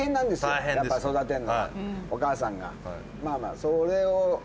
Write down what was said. お母さんが。